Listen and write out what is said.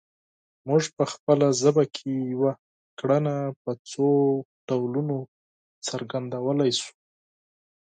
موږ په خپله ژبه کې یوه کړنه په څو ډولونو څرګندولی شو